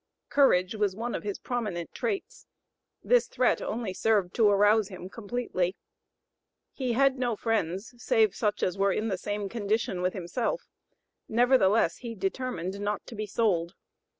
Courage was one of his prominent traits. This threat only served to arouse him completely. He had no friends save such as were in the same condition with himself, nevertheless he determined not to be sold.